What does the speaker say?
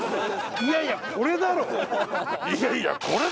いやいやこれだろ！